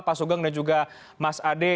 pak sugeng dan juga mas ade